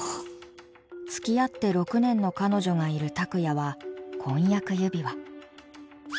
つきあって６年の彼女がいるたくやは婚約指輪。